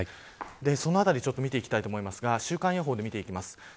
そのあたり見ていきたいと思いますが週間予報で見ていきます。